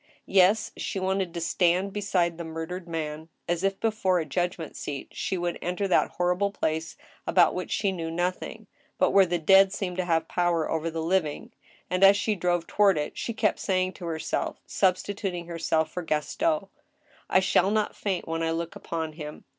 Yes, she wanted to stand beside the murdered man ; as if before a judgment seat she would enter that horrible place about which she knew nothing, but where the dead seemed to have power over the living, and, as she drove toward it, she kept saying to herself, substi tuting herself for Gaston :" I shall not faint when I look upon him.